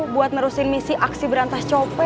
buat merusihin misi aksi berantas copet